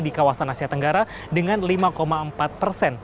di kawasan asia tenggara dengan lima empat persen